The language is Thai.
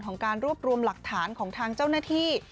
ของการรวบรวมหลักฐานของทางเจ้าหน้าที่